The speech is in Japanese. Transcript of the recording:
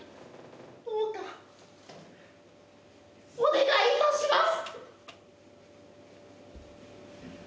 どうかお願いいたします！